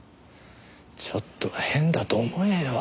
ちょっと変だと思えよ。